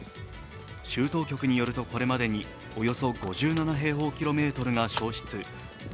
州当局によると、ここまでにおよそ５７平方キロメートルが焼失。